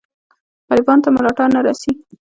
غریبانو ته ملاتړ نه رسي.